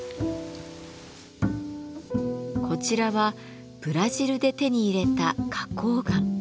こちらはブラジルで手に入れた花崗岩。